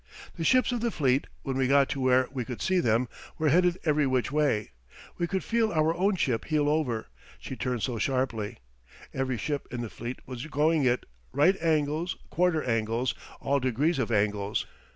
The ships of the fleet, when we got to where we could see them, were headed every which way. We could feel our own ship heel over she turned so sharply. Every ship in the fleet was going it right angles, quarter angles, all degrees of angles.